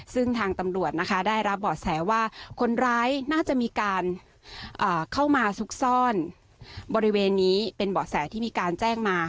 ซึ่งทางตำรวจนะคะได้รับเบาะแสว่าคนร้ายน่าจะมีการเข้ามาซุกซ่อนบริเวณนี้เป็นเบาะแสที่มีการแจ้งมา